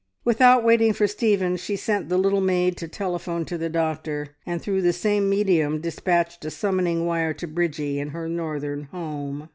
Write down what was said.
Without waiting for Stephen she sent the little maid to telephone to the doctor, and through the same medium dispatched a summoning wire to Bridgie in her northern home.